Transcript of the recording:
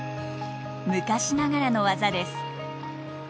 昔ながらの技です。